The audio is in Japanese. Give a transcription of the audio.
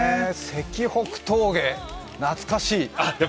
石北峠、懐かしい！